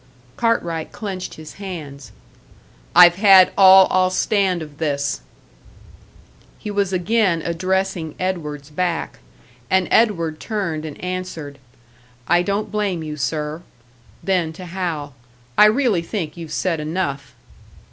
Cartwright clenched his hands. "I've had all I'll stand of this!" He was again addressing Edward's back; and Edward turned and answered, "I don't blame you, sir." Then to Hal, "I really think you've said enough!"